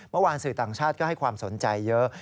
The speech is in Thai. เมื่อวานสื่อต่างชาติก็ให้ความสนใจเยอะ